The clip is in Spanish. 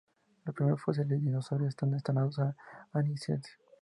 Los primeros fósiles de dinosaurios están datados en el Anisiense.